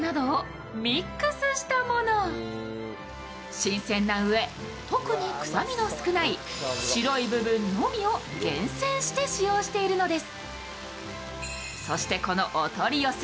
新鮮なうえ、特に臭みの少ない白い部分のみを厳選して使用しているのです。